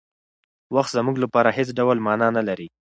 وخت زموږ لپاره هېڅ ډول مانا نهلري.